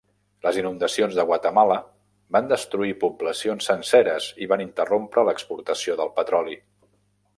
Les inundacions a Guatemala van destruir poblacions senceres i van interrompre l'exportació de petroli.